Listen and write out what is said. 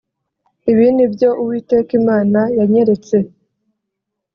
Ibi ni byo Uwiteka Imana yanyeretse